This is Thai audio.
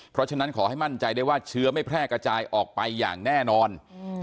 เพราะฉะนั้นขอให้มั่นใจได้ว่าเชื้อไม่แพร่กระจายออกไปอย่างแน่นอน